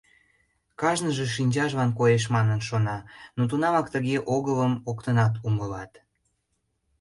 Кажныже шинчажлан коеш манын шона, но тунамак тыге огылым коктынат умылат.